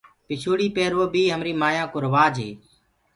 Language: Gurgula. پِڇوڙي پيروو بي همري مايانٚ ڪو روآج هي۔